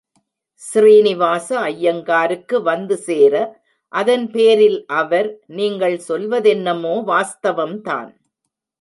ஸ்ரீனிவாச ஐயங்காருக்கு வந்து சேர, அதன்பேரில் அவர், நீங்கள் சொல்வதென்னமோ வாஸ்தவம்தான்.